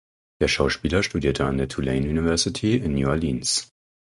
Der Schauspieler studierte an der Tulane University in New Orleans.